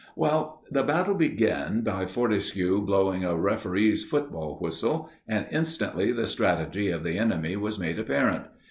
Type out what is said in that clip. Well, the battle began by Fortescue blowing a referee's football whistle, and instantly the strategy of the enemy was made apparent.